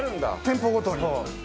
店舗ごとに。